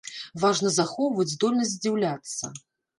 Важна захоўваць здольнасць здзіўляцца.